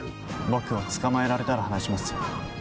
僕を捕まえられたら話しますよ。